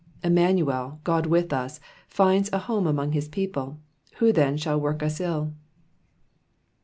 Immanuel, God with us, finds a home among his people, who then shall work us ill